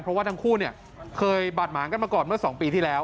เพราะว่าทั้งคู่เนี่ยเคยบาดหมางกันมาก่อนเมื่อ๒ปีที่แล้ว